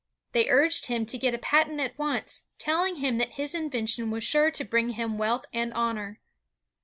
They urged him to get a patent at once, telling him that his invention was sure to bring him wealth and honor.